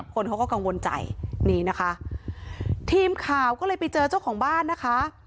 คนเขาก็กังวลใจนี่นะคะทีมข่าวก็เลยไปเจอเจ้าของบ้านนะคะ